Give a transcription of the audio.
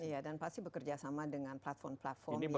dan pasti bekerjasama dengan platform platform yang